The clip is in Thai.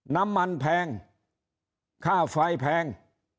น้ำมันแพงค่าไฟแพง